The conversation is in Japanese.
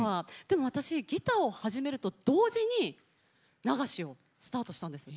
でも私ギターを始めると同時に流しをスタートしたんです。